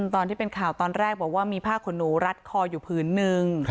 ตอนที่เป็นข่าวตอนแรกบอกว่ามีผ้าขนหนูรัดคออยู่ผืนนึง